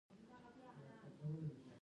سنګه یی پخير راغلې